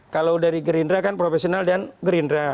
kalau dari gerindra kan profesional dan gerindra